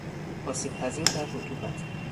آسیب پذیر در رطوبت